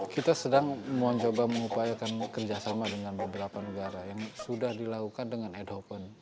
kita sedang mencoba mengupayakan kerjasama dengan beberapa negara yang sudah dilakukan dengan ad hoc